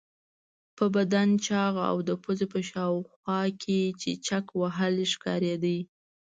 په بدن چاغ او د پوزې په شاوخوا کې چیچک وهلی ښکارېده.